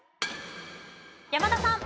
山田さん。